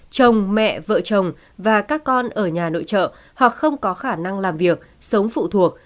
chồng mẹ vợ chồng và các con ở nhà nội trợ hoặc không có khả năng làm việc sống phụ thuộc